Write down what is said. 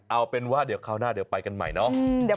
เอาเป็นว่าเดี๋ยวเข้าหน้าไปกันใหม่เนอะ